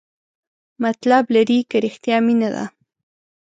مطلب لري که رښتیا مینه ده؟